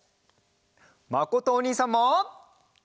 まことおにいさんも。